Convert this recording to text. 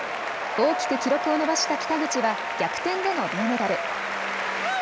大きく記録を伸ばした北口は逆転での銅メダル。